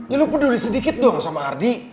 ya lu peduli sedikit dong sama ardi